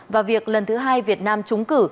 và việc lần thứ hai việt nam trúng cử